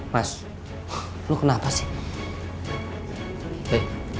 mas lo kenapa sih